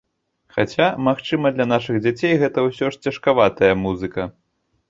Хаця, магчыма, для нашых дзяцей гэта ўсё ж цяжкаватая музыка.